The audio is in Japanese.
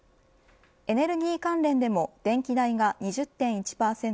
エネルギー関連でも電気代が２０．１％